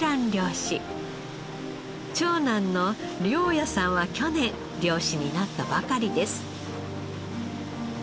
長男の陵矢さんは去年漁師になったばかりです。